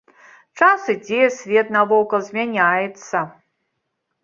Час ідзе, свет навокал змяняецца.